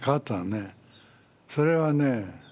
それはね